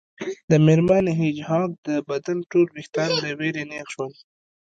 د میرمن هیج هاګ د بدن ټول ویښتان له ویرې نیغ شول